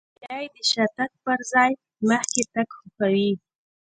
هیلۍ د شاتګ پر ځای مخکې تګ خوښوي